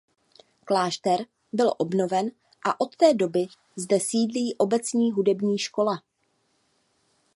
Klášter byl obnoven a od té doby zde sídlí obecní hudební škola.